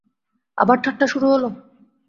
আবার ঠাট্টা শুরু হল?